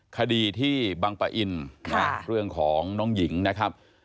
คดีที่บังปะอินเรื่องของน้องหญิงนะครับ